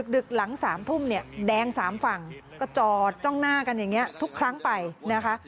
ดึกหลัง๓ทุ่มเนี่ยแดง๓ฝั่งก็จอดจ้องหน้ากันอย่างนี้ทุกครั้งไปนะคะ